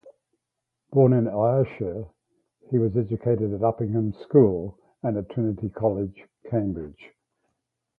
Born in Ayrshire, he was educated at Uppingham School and at Trinity College, Cambridge.